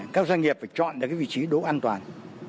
các doanh nghiệp phải chọn được vị trí đỗ an toàn